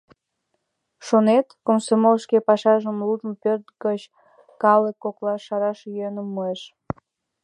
Шонет: комсомол шке пашажым лудмо пӧрт гоч калык коклаш шараш йӧным муэш.